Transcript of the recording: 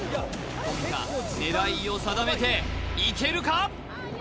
富田狙いを定めていけるか？